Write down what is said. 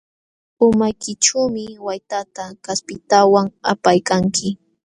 Umaykićhuumi waytata kaspintawan apaykanki.